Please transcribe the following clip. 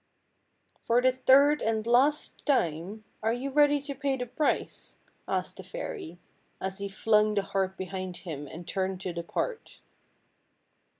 " For the third and last time, are you ready to pay the price? " asked the fairy, as he flung the harp behind him and turned to depart.